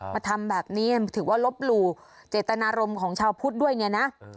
มาทำแบบนี้ถือว่าลบหลู่เจตนารมณ์ของชาวพุทธด้วยเนี่ยนะ